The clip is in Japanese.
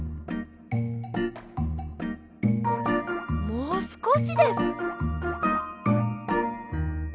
もうすこしです。